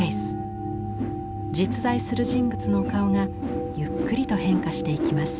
実在する人物の顔がゆっくりと変化していきます。